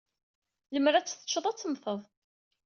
Lemmer ad t-teččeḍ, ad temmteḍ.